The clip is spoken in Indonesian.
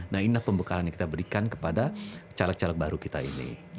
nah ini pembekalannya kita berikan kepada caleg caleg baru kita ini